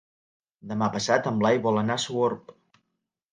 Demà passat en Blai vol anar a Sogorb.